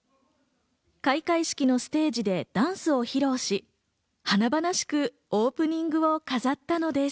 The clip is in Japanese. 開会式のステージでダンスを披露し、華々しくオープニングを飾ったのです。